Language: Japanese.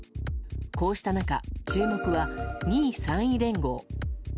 こうした中、注目は２位３位連合。